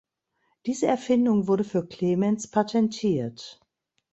Diese Erfindung wurde für Clemens patentiert.